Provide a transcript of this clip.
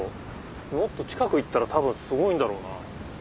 もっと近く行ったら多分すごいんだろうな。